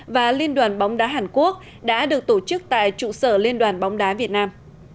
và liên đoàn bóng đá hàn quốc đã được tổ chức tại trụ sở liên đoàn bóng đá việt nam